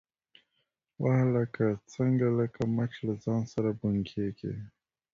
_وه هلکه، څنګه لکه مچ له ځان سره بنګېږې؟